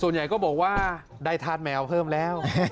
ส่วนใหญ่ก็บอกว่าได้ธาตุแมวเพิ่มแล้ว